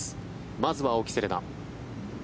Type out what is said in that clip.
まずは青木瀬令奈。